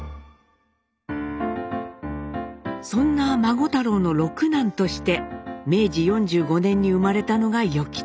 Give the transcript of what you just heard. そんな孫太郎の六男として明治４５年に生まれたのが与吉。